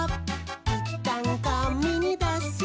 「いったんかみに出して」